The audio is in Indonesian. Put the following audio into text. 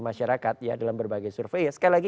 masyarakat dalam berbagai survei sekali lagi